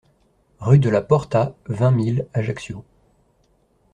Rue de la Porta, vingt mille Ajaccio